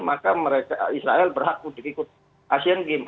maka israel berhak untuk ikut asian games